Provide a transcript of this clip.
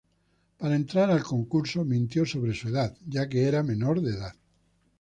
Para entrar al concurso mintió sobre su edad ya que era menor de edad.